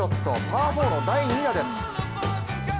パー４の第２打です。